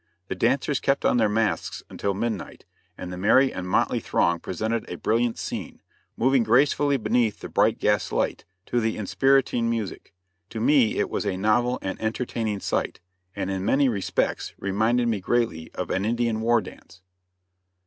The dancers kept on their masks until midnight, and the merry and motley throng presented a brilliant scene, moving gracefully beneath the bright gas light to the inspiriting music. To me it was a novel and entertaining sight, and in many respects reminded me greatly of an Indian war dance.